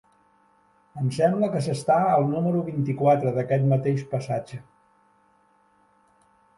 Em sembla que s'està al número vint-i-quatre d'aquest mateix passatge.